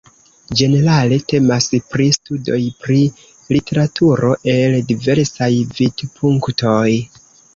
Ĝenerale temas pri studoj pri literaturo el diversaj vidpunktoj.